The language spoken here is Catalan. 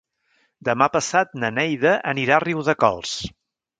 Demà passat na Neida anirà a Riudecols.